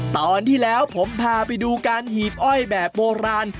ตอนที่แล้วผมพาไปดูการหีบอ้อยแบบโบราณ